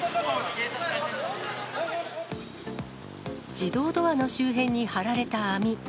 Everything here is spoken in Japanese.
自動ドアの周辺に張られた網。